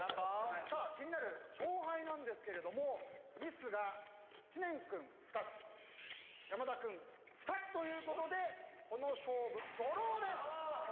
さあ気になる勝敗なんですけどもミスが知念君２つ山田君２つということでこの勝負ＤＲＡＷです！